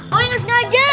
wah ya gak sengaja